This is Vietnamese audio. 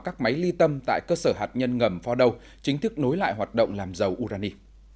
các máy ly tâm tại cơ sở hạt nhân ngầm fordow chính thức nối lại hoạt động làm dầu urani